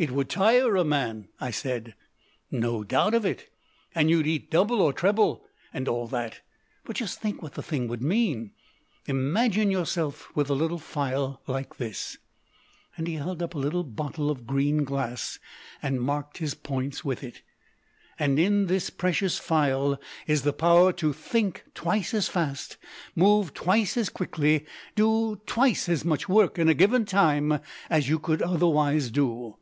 "It would tire a man," I said. "Not a doubt of it. And you'd eat double or treble and all that. But just think what the thing would mean. Imagine yourself with a little phial like this" he held up a little bottle of green glass and marked his points with it "and in this precious phial is the power to think twice as fast, move twice as quickly, do twice as much work in a given time as you could otherwise do."